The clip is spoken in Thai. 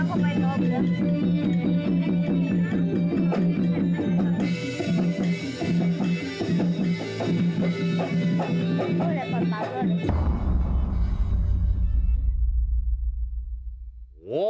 โอ้ดูแล้ว